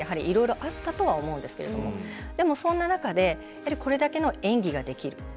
いろいろあったと思うんですけどでもそんな中でこれだけの演技ができる